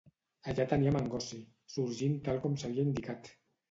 Allà teníem en Gussie, sorgint tal com s'havia indicat.